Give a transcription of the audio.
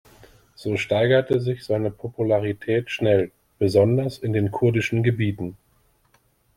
So steigerte sich seine Popularität schnell, besonders in den kurdischen Gebieten.